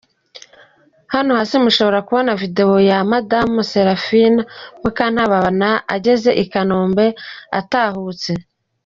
Hano hasi mushobora kubona video ya Madame Serafina Mukantabana ageze i Kanombe atahutse.